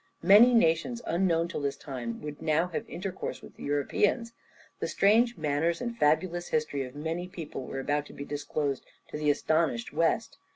Many nations unknown till this time would now have intercourse with Europeans. The strange manners and fabulous history of many people were about to be disclosed to the astonished West.